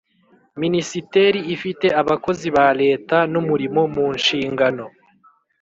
Minisiteri ifite abakozi ba Leta n umurimo mu nshingano